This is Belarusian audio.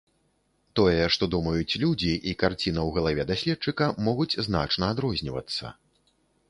Тое, што думаюць людзі, і карціна ў галаве даследчыка могуць значна адрознівацца.